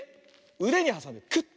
うでにはさんでクッ！